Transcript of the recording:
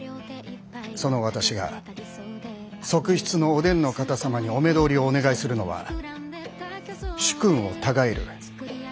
その私が側室のお伝の方様にお目通りをお願いするのは主君をたがえる。